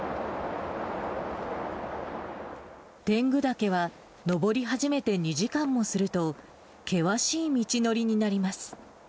天狗岳は登り始めて２時間もすると、険しい道のりになります。